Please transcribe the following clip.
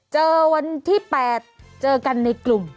เจอวันที่๘เจอกันในกลุ่ม